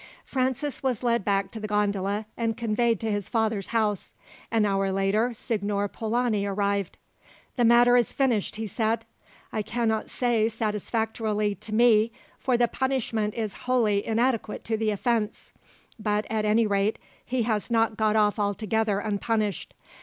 Francis was led back to the gondola, and conveyed to his father's house. An hour later Signor Polani arrived. "The matter is finished," he said, "I cannot say satisfactorily to me, for the punishment is wholly inadequate to the offence, but at any rate he has not got off altogether unpunished.